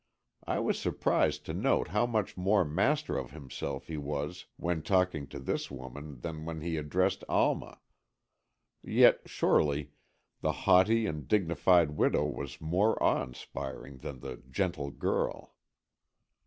I was surprised to note how much more master of himself he was when talking to this woman than when he addressed Alma. Yet, surely, the haughty and dignified widow was more awe inspiring than the gentle girl.